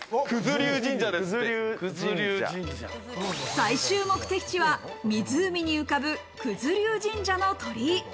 最終目的地は湖に浮かぶ九頭龍神社の鳥居。